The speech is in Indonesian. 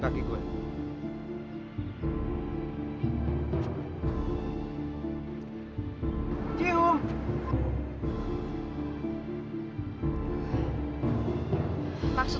a aya pertanyaan berikutnya